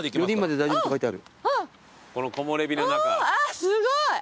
あすごい。